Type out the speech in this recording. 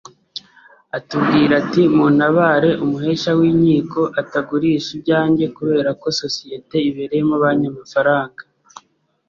atubwira ati ‘muntabare umuhesha w’inkiko atagurisha ibyange kubera ko sosiyete ibereyemo banki amafaranga